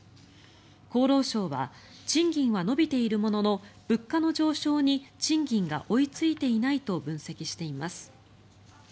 厚労省は賃金は伸びているものの物価の上昇に賃金が追いついていないと分析しています。